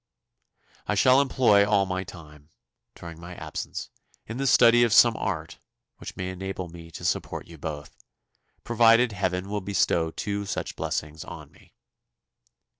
"I shall employ all my time, during my absence, in the study of some art which may enable me to support you both, provided Heaven will bestow two such blessings on me.